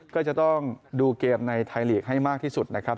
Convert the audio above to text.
ก็จะต้องดูเกมในไทยลีกให้มากที่สุดนะครับ